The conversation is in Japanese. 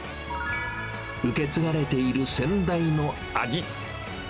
受け継がれている先代の味。